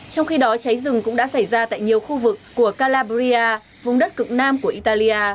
trong khi đó cháy rừng cũng đã xảy ra tại nhiều khu vực của calabria vùng đất cực nam của italia